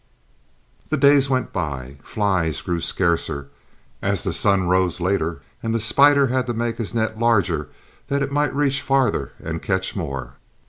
The days went by. Flies grew scarcer, as the sun rose later, and the spider had to make his net larger that it might reach farther and catch more.